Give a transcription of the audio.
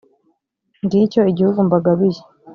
ngicyo igihugu mbagabiye.